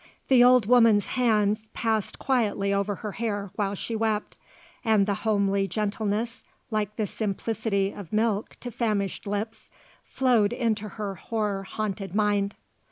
The old woman's passed quietly over her hair while she wept, and the homely gentleness, like the simplicity of milk to famished lips, flowed into her horror haunted mind.